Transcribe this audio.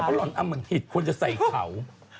เพราะหล่อนอามันหิดควรจะใส่เข่า